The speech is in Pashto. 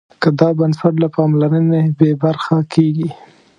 که دا بنسټ له پاملرنې بې برخې کېږي.